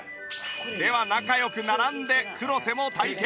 では仲良く並んで黒瀬も体験。